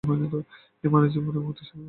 এই মানবজন্মেই মুক্তির সর্বাপেক্ষা অধিক সুবিধা।